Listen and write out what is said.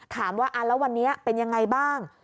ถามว่าแล้ววันนี้เป็นยังไงบ้าง